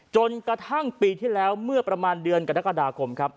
จนกระทั่งปีที่แล้วเมื่อประมาณเดือนกรกฎาคมครับ